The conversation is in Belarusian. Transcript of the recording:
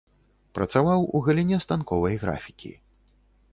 Працаваў у галіне станковай графікі.